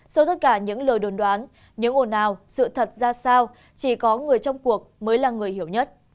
sau tất cả những lời đồn đoán những ồn ào sự thật ra sao chỉ có người trong cuộc mới là người hiểu nhất